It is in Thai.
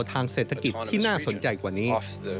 ทางเศรษฐกิจที่น่าสนใจกว่านี้